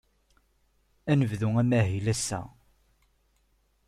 Ad nebdu amahil ass-a.